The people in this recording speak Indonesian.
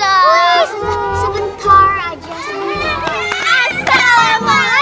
please sebentar aja